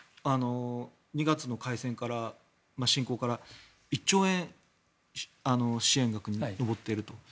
２月の開戦から、侵攻から１兆円支援額が上っていると。